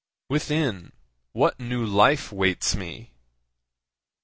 Within, what new life waits me!